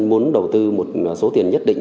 muốn đầu tư một số tiền nhất định